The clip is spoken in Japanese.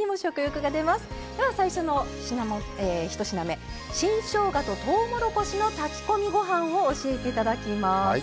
最初の１品目新しょうがととうもろこしの炊き込みご飯を教えていただきます。